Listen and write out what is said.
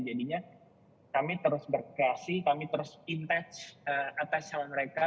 jadinya kami terus berkreasi kami terus attach sama mereka